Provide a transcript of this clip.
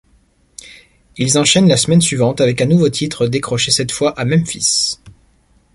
Ils enchaînent la semaine suivante avec un nouveau titre décroché cette fois à Memphis.